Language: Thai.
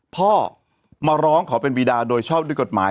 พ่อมาร้องขอเป็นวีดาโดยชอบด้วยกฎหมาย